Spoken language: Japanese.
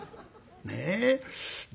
ねえ？